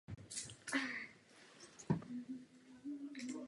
Narodil se v Indianapolis a vyrostl v San Diegu.